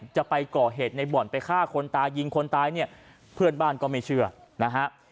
จะไปก่อเหตุในบ่อนไปฆ่าคนตายยิงคนตายเนี่ยเพื่อนบ้านก็ไม่เชื่อนะฮะ